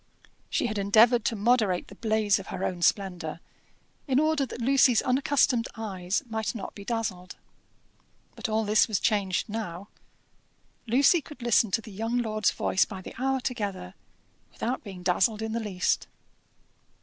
She had endeavoured to moderate the blaze of her own splendour, in order that Lucy's unaccustomed eyes might not be dazzled. But all this was changed now. Lucy could listen to the young lord's voice by the hour together without being dazzled in the least.